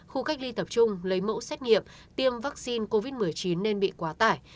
khu cách ly tập trung lấy mẫu xét nghiệm tiêm vaccine covid một mươi chín nên bị quá tải